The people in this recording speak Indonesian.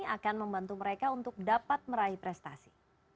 akan membantu mereka untuk dapat meraih prestasi